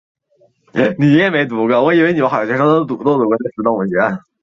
高压共轨燃油直喷是汽油机与柴油机的一种燃油直喷技术。